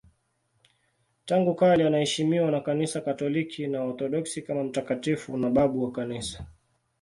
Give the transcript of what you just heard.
Tangu kale anaheshimiwa na Kanisa Katoliki na Waorthodoksi kama mtakatifu na babu wa Kanisa.